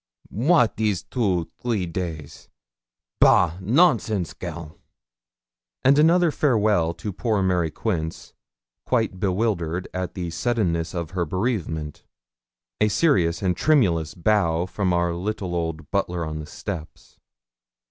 What is two, three days? Bah! nonsense, girl.' Another farewell to poor Mary Quince, quite bewildered at the suddenness of her bereavement. A serious and tremulous bow from our little old butler on the steps.